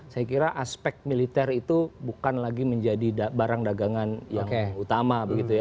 saya kira aspek militer itu bukan lagi menjadi barang dagangan yang utama begitu ya